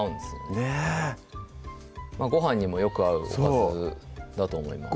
ねっごはんにもよく合うおかずだと思います